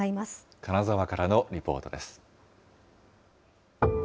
金沢からのリポートです。